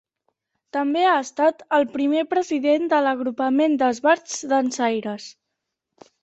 També ha estat el primer president de l'Agrupament d'Esbarts Dansaires.